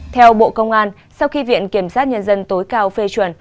theo bộ công an sau khi viện kiểm sát nhân dân tối cao phê chuẩn